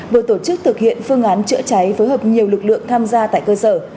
vừa tổ chức thực hiện phương án chữa cháy phối hợp nhiều lực lượng tham gia tại cơ sở